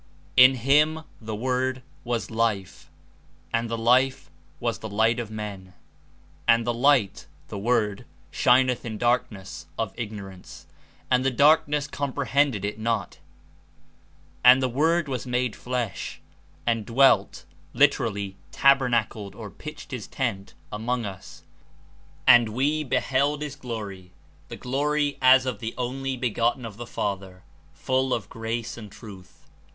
"In him (The Word) was life; and the life was the light of men. "And the light (The Word) shineth in darkness (of ignorance) ; and the darkness comprehended it not:' "And the JVord was made flesh, and dzvelt (liter ally, tabernacled or pitched his tent) among us, (and we beheld his glory, the glory as of the only begotten of the Father,) full of grace and truth."